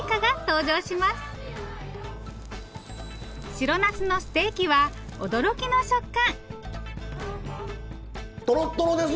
白なすのステーキは驚きの食感！